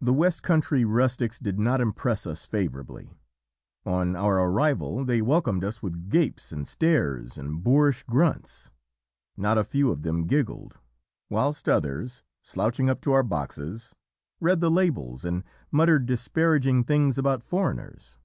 "The West Country rustics did not impress us favourably; on our arrival they welcomed us with gapes and stares and boorish grunts; not a few of them giggled, whilst others, slouching up to our boxes, read the labels and muttered disparaging things about foreigners.